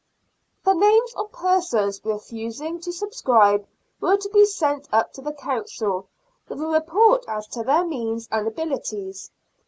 The names of persons refusing to subscribe were to be sent up to the Council, with a report as to their means and abilities.